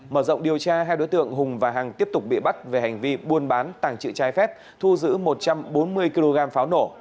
mở rộng điều tra hai đối tượng hùng và hằng tiếp tục bị bắt về hành vi buôn bán tàng trự trái phép thu giữ một trăm bốn mươi kg pháo nổ